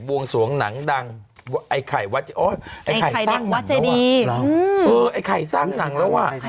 บวงสวงหนังดังไอ้ไข่อ๋อไอ้ไข่อ๋อไอ้ไข่สร้างหนังแล้วว่ะ